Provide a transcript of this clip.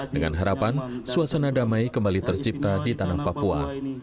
dengan harapan suasana damai kembali tercipta di tanah papua